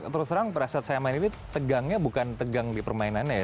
terus terang pada saat saya main itu tegangnya bukan tegang di permainannya ya